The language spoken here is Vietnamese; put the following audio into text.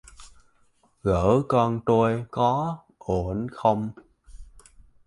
vợ con tôi có ổn không